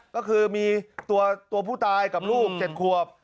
ก็คือมีตัวผู้ตายกับลูก๗ขวบ